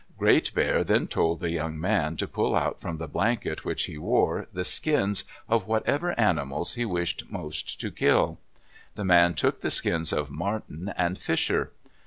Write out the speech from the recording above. Great Bear then told the young man to pull out from the blanket which he wore the skins of whatever animals he wished most to kill. The man took the skins of marten and fisher.